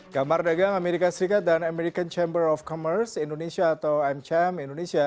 kamar dagang amerika serikat dan american chamber of commerce indonesia atau mcm indonesia